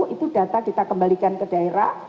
itu data kita kembalikan ke daerah